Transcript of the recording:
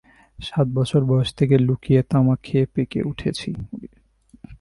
সাত বছর বয়স থেকে লুকিয়ে তামাক খেয়ে পেকে উঠেছি।